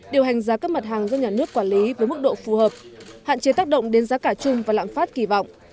điều hành giá các mặt hàng do nhà nước quản lý với mức độ phù hợp hạn chế tác động đến giá cả chung và lạm phát kỳ vọng